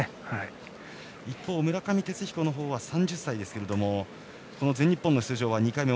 一方、村上哲彦の方は３０歳ですが全日本の出場は２回目。